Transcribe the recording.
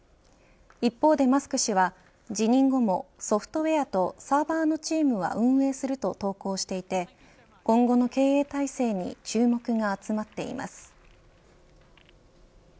一方でマスク氏は辞任後もソフトウエアとサーバーのチームは運営すると投稿していて今後の経営体制に注目が集まっています。